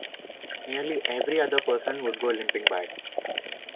Nearly every other person would go limping by.